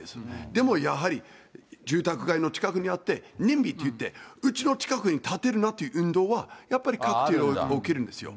でも、やはり住宅街の近くにあって、って言って、うちの近くに建てるなっていう運動は、やっぱり各地で起きるんですよ。